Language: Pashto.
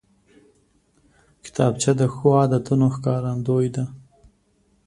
کتابچه د ښو عادتونو ښکارندوی ده